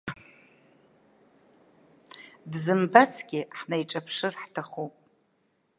Дзымбацгьы ҳнаиҿаԥшыр ҳҭахуп!